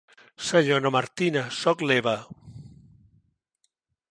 Senyora Martina, soc l'Eva.